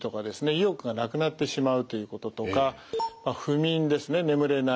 意欲がなくなってしまうということとか不眠ですね眠れない。